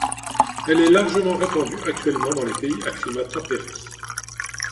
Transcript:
Elle est largement répandue actuellement dans les pays à climat tempéré.